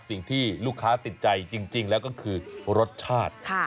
สิ่งที่ลูกค้าติดใจจริงแล้วก็คือรสชาติ